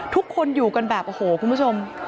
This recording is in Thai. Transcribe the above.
ทุกคนอยู่กันแบบโอ้โหคุณผู้ชม